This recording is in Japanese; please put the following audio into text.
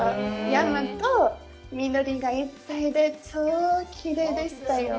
山と緑がいっぱいで、超きれいでしたよ。